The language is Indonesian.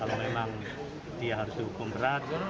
kalau memang dia harus dihukum berat